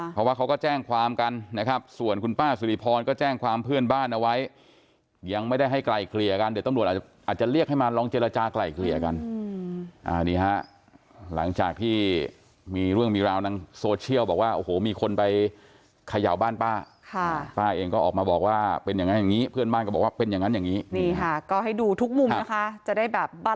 เพราะว่าเขาก็แจ้งความกันส่วนคุณป้าสุริพลก็แจ้งความเพื่อนบ้านเอาไว้